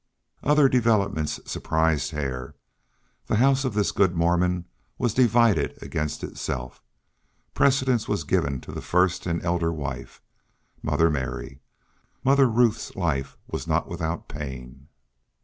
Other developments surprised Hare. The house of this good Mormon was divided against itself. Precedence was given to the first and elder wife Mother Mary; Mother Ruth's life was not without pain.